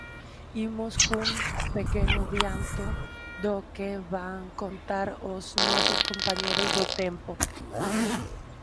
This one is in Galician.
Imos cun pequeno adianto do que van contar os nosos compañeiros do tempo.